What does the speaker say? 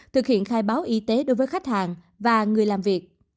thực hiện khai báo y tế đối với khách hàng và người làm việc